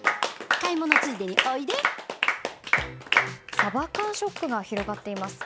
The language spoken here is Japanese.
サバ缶ショックが広がっています。